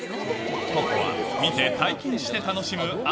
ここは見て体験して楽しむア